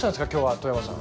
外山さん。